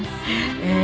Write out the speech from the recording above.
ええ。